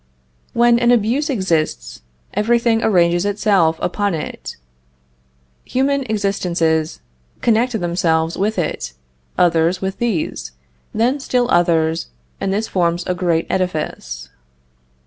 When an abuse exists, everything arranges itself upon it. Human existences connect themselves with it, others with these, then still others, and this forms a great edifice.